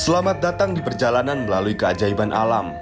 selamat datang di perjalanan melalui keajaiban alam